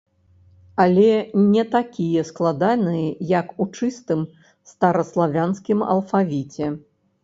Але не такія складаныя, як у чыстым стараславянскім алфавіце.